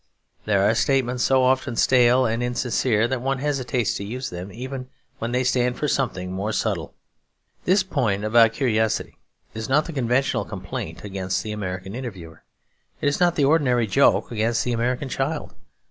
There are statements so often stale and insincere that one hesitates to use them, even when they stand for something more subtle. This point about curiosity is not the conventional complaint against the American interviewer. It is not the ordinary joke against the American child.